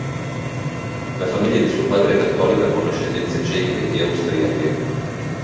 La famiglia di suo padre è cattolica con ascendenze ceche ed austriache.